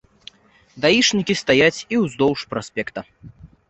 Даішнікі стаяць і ўздоўж праспекта.